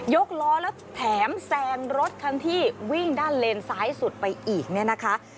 กล้อแล้วแถมแซงรถคันที่วิ่งด้านเลนซ้ายสุดไปอีกเนี่ยนะคะ